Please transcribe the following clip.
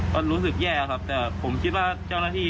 ก็รู้สึกแย่ครับแต่ผมคิดว่าเจ้าหน้าที่